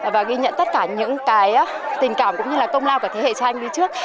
và ghi nhận tất cả những tình cảm cũng như công lao của thế hệ tranh đi trước